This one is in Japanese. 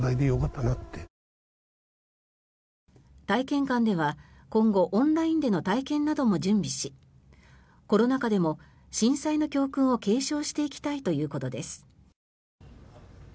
体験館では今後オンラインでの体験なども準備しコロナ禍でも震災の教訓を継承していきたいということです。